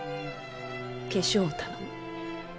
化粧を頼む。